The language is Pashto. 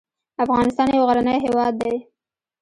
افغانستان يو غرنی هېواد دی.